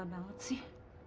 lucu banget sih